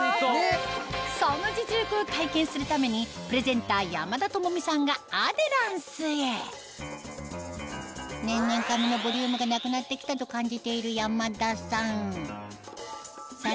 その実力を体験するためにプレゼンター山田友美さんがアデランスへ年々髪のボリュームがなくなって来たと感じている山田さん